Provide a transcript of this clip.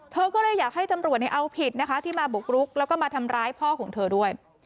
เธอก็เลยอยากให้ตำรวจเอาผิดนะคะที่มาบุกรุกแล้วก็มาทำร้ายพ่อของเธอด้วย